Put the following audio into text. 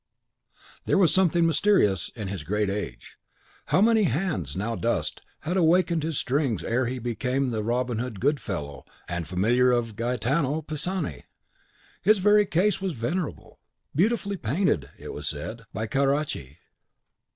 There was something mysterious in his great age. How many hands, now dust, had awakened his strings ere he became the Robin Goodfellow and Familiar of Gaetano Pisani! His very case was venerable, beautifully painted, it was said, by Caracci.